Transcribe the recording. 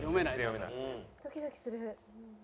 ドキドキする。